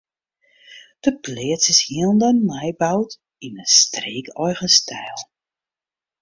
De pleats is hielendal nij boud yn in streekeigen styl.